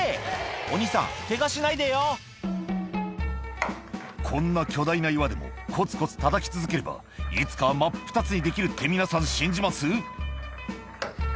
お兄さんケガしないでよ「こんな巨大な岩でもコツコツたたき続ければいつかは真っ二つにできるって皆さん信じます？」